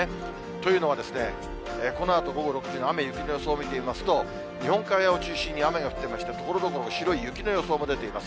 というのは、このあと午後６時の雨、雪の予想を見てみますと、日本海側を中心に雨が降っていまして、ところどころ白い雪の予想も出ています。